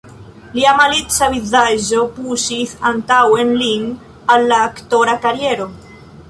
Lia malica vizaĝo puŝis antaŭen lin al la aktora kariero.